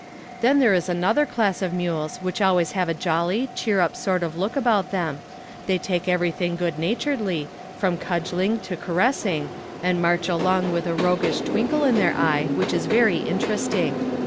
Then there is another class of mules which always have a jolly, cheer up sort of look about them they take everything good naturedly, from cudgeling to carressing, and march along with a roguish twinkle in their eye which is very interesting."